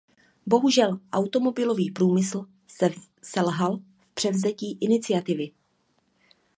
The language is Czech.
Bohužel, automobilový průmysl selhal v převzetí iniciativy.